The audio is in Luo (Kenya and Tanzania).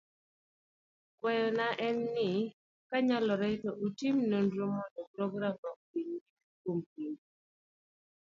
Akwayo na en ni kanyalore to utim chenro mondo programno odhi nyime kuom kinde